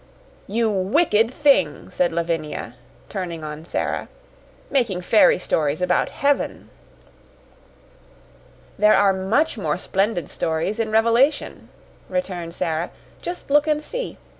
"You wicked thing," said Lavinia, turning on Sara; "making fairy stories about heaven." "There are much more splendid stories in Revelation," returned Sara. "Just look and see!